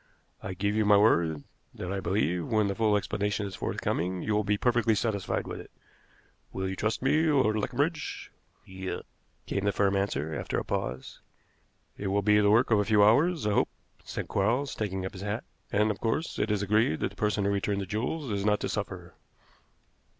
I give you my word that I believe, when the full explanation is forthcoming, you will be perfectly satisfied with it. Will you trust me, Lord Leconbridge?" "Yes," came the firm answer, after a pause. "It will be the work of a few hours, I hope," said Quarles, taking up his hat; "and, of course, it is agreed that the person who returned the jewels is not to suffer."